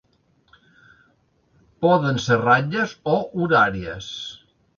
Poden ser ratlles o horàries.